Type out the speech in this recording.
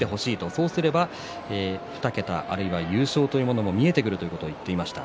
そうすれば２桁、あるいは優勝というものも見えてくるというふうに話していました。